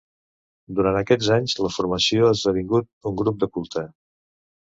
Durant aquests anys la formació ha esdevingut un grup de culte.